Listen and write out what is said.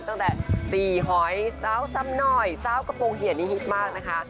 ตั้งแต่จี่หอยสาวซ้ำหน่อยสาวกระโปรงเหี่ยนี่ฮิตมากนะคะ